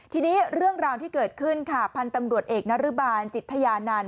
ทีนี้เรื่องราวที่เกิดขึ้นค่ะพันธ์ตำรวจเอกนรบาลจิตทยานันต์